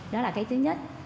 đó là cái thứ nhất